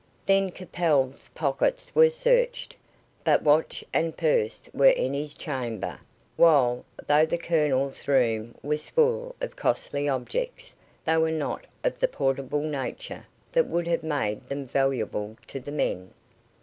Then Capel's pockets were searched, but watch and purse were in his chamber, while, though the Colonel's room was full of costly objects, they were not of the portable nature that would have made them valuable to the men.